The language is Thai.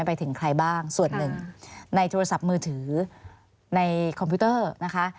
ไปถึงใครบ้างส่วนหนึ่งในโทรศัพท์มือถือในคอมพิวเตอร์นะคะ